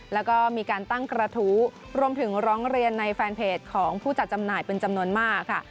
แล้วก็มีการตั้งกระทู้รวมถึงร้องเรียนในแฟนเพจของผู้จัดจำหน่ายเป็นจำนวนมากค่ะ